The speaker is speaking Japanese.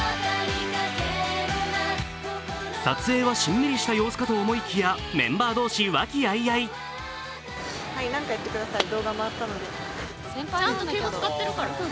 撮影は、しんみりした様子かと思いきや、メンバー同士、和気あいあい。